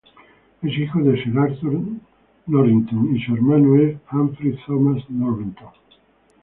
Es hijo de Sir Arthur Norrington y su hermano es Humphrey Thomas Norrington.